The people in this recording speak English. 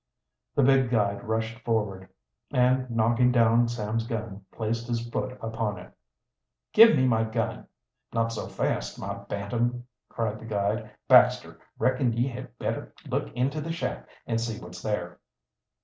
The big guide rushed forward, and knocking down Sam's gun placed his foot upon it. "Give me my gun!" "Not so fast, my bantam!" cried the guide. "Baxter, reckon ye had better look into the shack and see what's there."